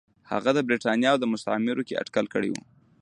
هغه د برېټانیا او مستعمرو کې اټکل کړی و.